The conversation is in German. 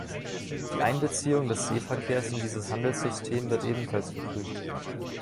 Die Einbeziehung des Seeverkehrs in dieses Handelssystem wird ebenfalls geprüft.